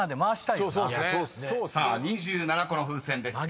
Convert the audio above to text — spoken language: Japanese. ［さあ２７個の風船です。